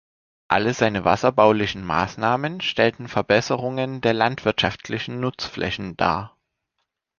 Alle seine wasserbaulichen Maßnahmen stellten Verbesserungen der landwirtschaftlichen Nutzflächen dar.